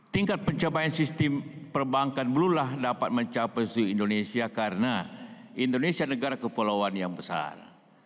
tingkat pencapaian sistem perbankan blu lah dapat mencapai seluruh indonesia karena indonesia negara kepulauan yang besar